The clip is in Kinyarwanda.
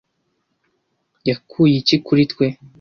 yakuye iki kuri twe